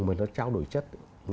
mà nó trao đổi chất